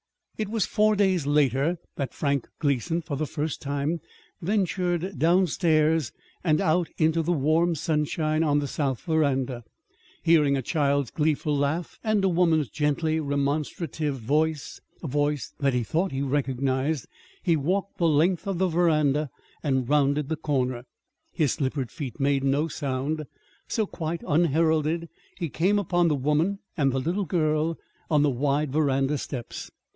It was four days later that Frank Gleason for the first time ventured downstairs and out into the warm sunshine on the south veranda. Hearing a child's gleeful laugh and a woman's gently remonstrative voice, a voice that he thought he recognized, he walked the length of the veranda and rounded the corner. His slippered feet made no sound, so quite unheralded he came upon the woman and the little girl on the wide veranda steps.